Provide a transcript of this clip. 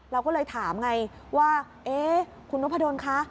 เราก็เลยถามไงว่าคุณนพโดนค่ะ